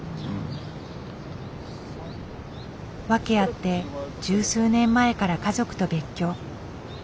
訳あって十数年前から家族と別居。